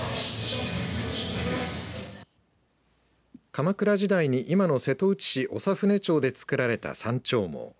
鎌倉時代に今の瀬戸内市長船町で作られた山鳥毛。